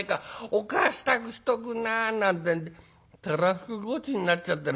おっかあ支度しとくんな』なんてんでたらふくごちになっちゃってな。